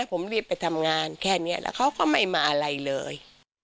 ผมรีบไปทำงานแค่นี้แล้วเขาก็ไม่มาอะไรเลย